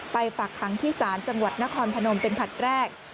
ฝากขังที่ศาลจังหวัดนครพนมเป็นผลัดแรก